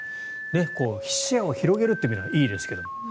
視野を広げるという意味ではいいですけども。